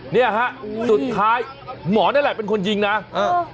เนี่ยฮะสุดท้ายหมอนั่นแหละเป็นคนยิงนะเออ